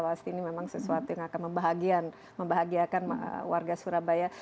pasti ini memang sesuatu yang akan membahagiakan warga surabaya